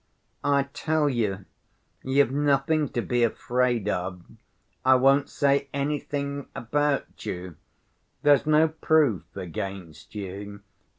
"I tell you, you've nothing to be afraid of. I won't say anything about you; there's no proof against you.